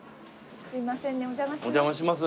すいませんねお邪魔します。